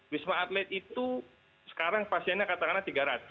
wisma atlet itu sekarang pasiennya katakanlah tiga ratus